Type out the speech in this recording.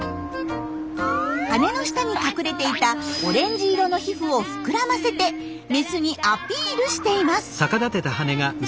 羽の下に隠れていたオレンジ色の皮膚を膨らませてメスにアピールしています。